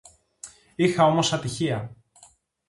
Είχα όμως ατυχία!